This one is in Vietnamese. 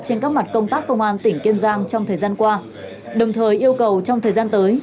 trên các mặt công tác công an tỉnh kiên giang trong thời gian qua đồng thời yêu cầu trong thời gian tới